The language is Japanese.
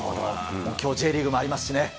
きょう、Ｊリーグもありますしね。